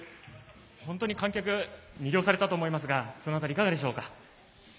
本当に観客魅了されたと思いますがその辺り、いかがでしょうか？